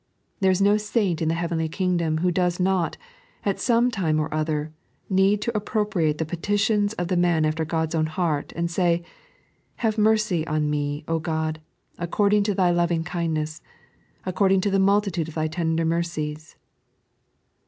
There is no saint in the heavenly Kingdom who does not, at some time or other, need to appropriate the petitions of the man after God's own heart, and say :" Have mercy on me, O God, according to Thy loving kindneGB, according to the multitude of Thy tender mercies."